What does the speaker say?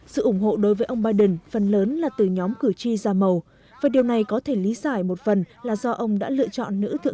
sự ủng hộ đối với ông biden phần lớn là từ nhóm cử tri ra màu và điều này có thể lý giải một phần là do ông đã lựa chọn nữ thượng